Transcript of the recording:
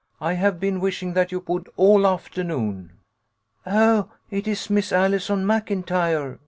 I have been wishing that you would all afternoon." "Oh, it is Miss Allison Maclntyre